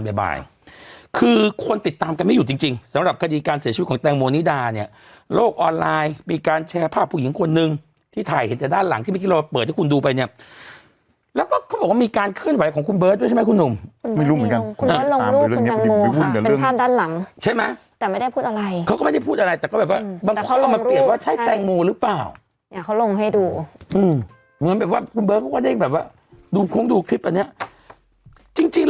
แล้วก็เขาบอกว่ามีการเคลื่อนไหวของคุณเบิร์ดด้วยใช่ไหมคุณหนุ่มไม่รู้เหมือนกันคุณเบิร์ดลงลูกคุณแตงโมค่ะเป็นภาพด้านหลังใช่ไหมแต่ไม่ได้พูดอะไรเขาก็ไม่ได้พูดอะไรแต่ก็แบบว่ามันเขาลงมาเปลี่ยนว่าใช่แตงโมหรือเปล่าเนี้ยเขาลงให้ดูอืมเหมือนแบบว่าคุณเบิร์ดเขาก็ได้แบบว่าดูคงดูคลิปอันเนี้